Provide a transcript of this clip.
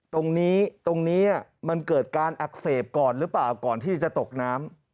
ตรงนี้ตรงนี้มันเกิดการอักเสบก่อนหรือเปล่าก่อนที่จะตกน้ำ